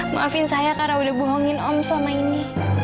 maafin saya karena udah bohongin om selama ini